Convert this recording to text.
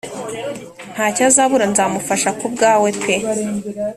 ntacyazabura nzamufasha kubwawe pee